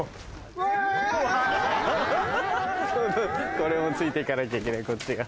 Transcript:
これもついて行かなきゃいけないこっちが。